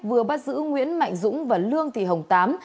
vừa bắt giữ nguyễn mạnh dũng và lương thị hồng tám